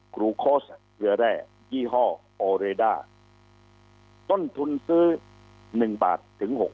กรุโคซเจอแร่ยี่ห้อออร์เรด้าต้นทุนซื้อหนึ่งบาทถึงหก